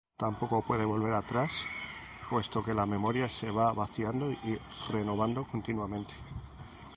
Tampoco puede volver atrás, puesto que la memoria se va vaciando y renovando continuamente.